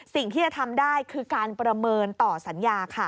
สิ่งที่จะทำได้คือการประเมินต่อสัญญาค่ะ